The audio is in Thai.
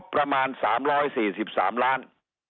ประมาณ๓๔๓หลัง